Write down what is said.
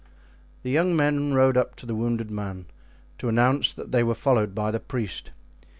The young men rode up to the wounded man to announce that they were followed by the priest.